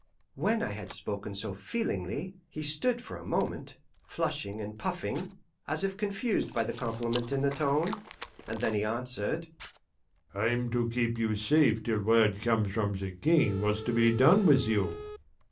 When I had spoken so feelingly, he stood for a moment, flushing and puffing, as if confused by the compliment in the tone, and then he answered, "I'm to keep you safe till word comes from the King what's to be done with you."